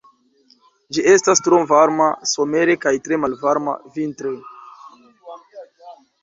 Ĝi estas tro varma somere kaj tre malvarma vintre.